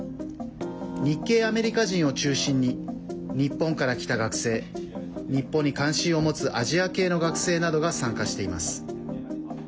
日系アメリカ人を中心に日本から来た学生日本に関心を持つアジア系の学生などが参加しています。